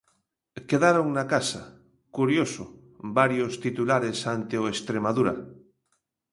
Quedaron na casa, curioso, varios titulares ante o Estremadura.